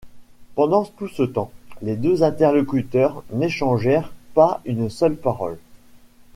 Pendant tout ce temps, les deux interlocuteurs n’échangèrent pas une seule parole.